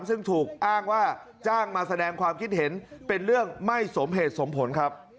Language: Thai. ซึ่งถูกอ้างว่าจ้างมาแสดงความคิดเห็นเป็นเรื่องไม่สมเหตุสมผลครับ